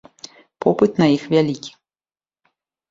Попыт на іх вялікі.